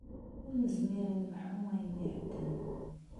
Ur nezmir ad nemḥu ayen iɛeddan.